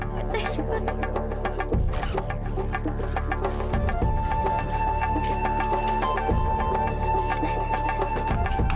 tete ibu mau ke rumah sakit